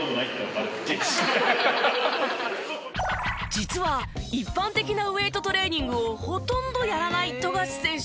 実は一般的なウェートトレーニングをほとんどやらない富樫選手。